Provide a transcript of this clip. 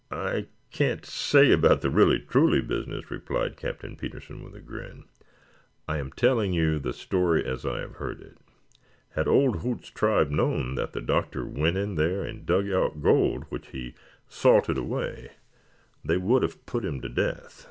"I can't say about the really truly business," replied Captain Petersen, with a grin. "I am telling you the story as I have heard it. Had Old Hoots' tribe known that the Doctor went in there and dug out gold which he salted away they would have put him to death.